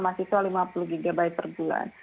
dan dosen serta mahasiswa lima puluh gb per bulan